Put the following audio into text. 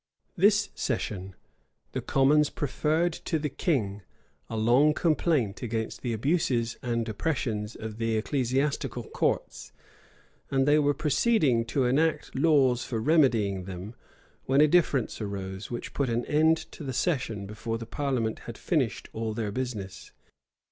This session, the commons preferred to the king a long complaint against the abuses and oppressions of the ecclesiastical courts; and they were proceeding to enact laws for remedying them, when a difference arose, which put an end to the session before the parliament had finished all their business.